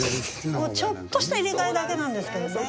ちょっとした入れ替えだけなんですけどね。